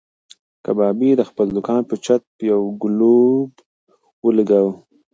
کبابي د خپل دوکان په چت کې یو ګلوب ولګاوه.